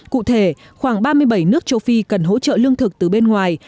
cụ thể khoảng ba mươi bảy nước châu phi cần hỗ trợ lương thực từ bên ngoài